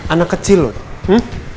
anak kecil loh